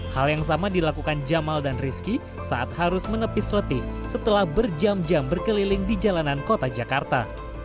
hal yang sama dilakukan jamal dan rizky saat harus menepis letih setelah berjam jam berkeliling di jalanan kota jakarta